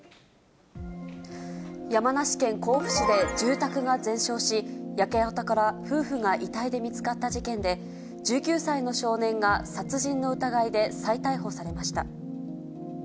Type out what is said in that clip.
山梨県甲府市で、住宅が全焼し、焼け跡から夫婦が遺体で見つかった事件で、１９歳の少年が殺人の疑いで再逮捕されました。